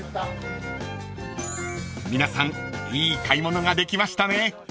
［皆さんいい買い物ができましたね］